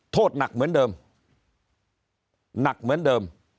โทษหนักเหมือนเดิมหนักเหมือนเดิม